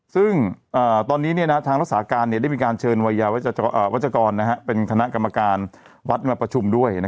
ซึ่งตอนนี้ทางรักษาการได้มีการเชิญวัชกรเป็นคณะกรรมการวัดมาประชุมด้วย